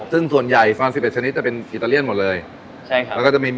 ซึ่งส่วนใหญ่ประมาณสิบเอ็ดชนิดจะเป็นอิตาเลียนหมดเลยใช่ครับแล้วก็จะมี